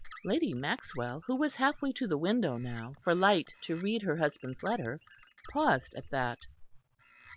Lady Maxwell, who was half way to the window now, for light to read her husband's letter, paused at that.